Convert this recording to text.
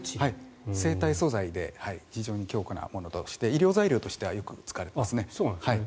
生体素材で非常に強固なもので医療材料としてはよく使われていますね。